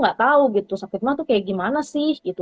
gak tau gitu sakit ma tuh kayak gimana sih